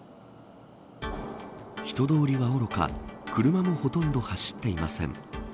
人通りはおろか車もほとんど走っていません。